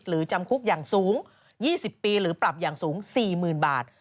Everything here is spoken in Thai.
จำคุกอย่างสูง๒๐ปีหรือปรับอย่างสูง๔๐๐๐บาท